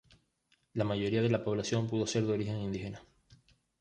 La mayoría de la población pudo ser de origen indígena.